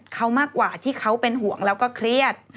เขามากกว่าที่เขาเป็นห่วงแล้วก็เครียด